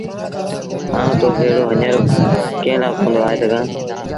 آئوٚنٚ تو ڀيڙو هڃر ڪݩهݩ لآ ڪوندو آئي سگھآݩٚ؟